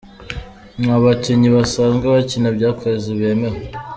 Nta bakinnyi basanzwe bakina by’akazi bemewe.